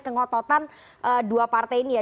kengototan dua partai ini ya